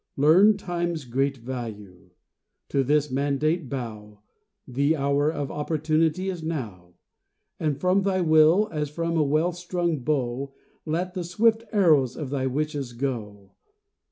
Learn time's great value; to this mandate bow, The hour of opportunity is Now, And from thy will, as from a well strung bow, Let the swift arrows of thy wishes go.